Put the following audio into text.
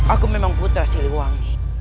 aku memang putra siliwangi